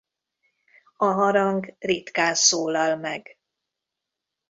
A harang ritkán szólal meg.